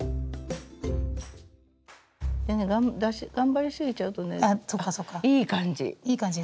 でね頑張りすぎちゃうとねいい感じ。